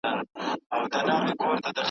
دغه نرمغالی په پوهني کي ډېره مرسته کوی.